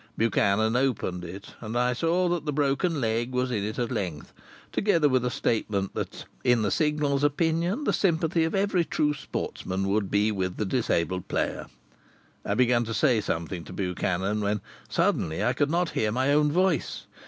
Buchanan opened it, and I saw that the broken leg was in it at length, together with a statement that in the Signal's opinion the sympathy of every true sportsman would be with the disabled player. I began to say something to Buchanan, when suddenly I could not hear my own voice.